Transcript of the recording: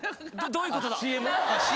どういうこと？